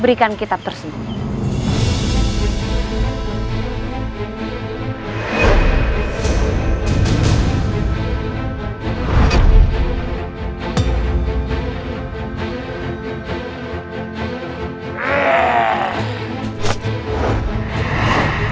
berikan kitab tersenyum